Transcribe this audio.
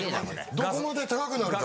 どこまで高くなるか。